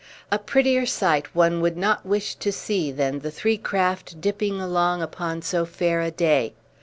A prettier sight one would not wish than to see the three craft dipping along upon so fair a day.